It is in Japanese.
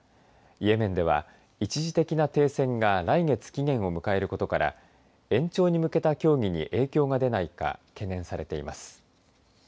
イエメンでは一時的な停戦が来月期限を迎えることから延長に向けた協議に影響が出ないか懸念されています。